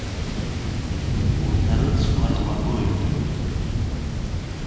Урҭ арыцқәа рлагоит.